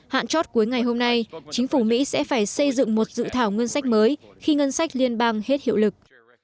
hạn chót cuối ngày hôm nay chính phủ mỹ sẽ phải xây dựng một dự thảo ngân sách mới khi ngân sách liên bang hết hiệu lực